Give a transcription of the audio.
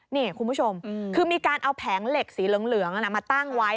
นี่คุณผู้ชมคือมีการเอาแผงเหล็กสีเหลืองมาตั้งไว้